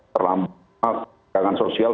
terlambat ketegangan sosial